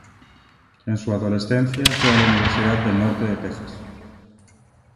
En su adolescencia, fue a la Universidad del Norte de Texas.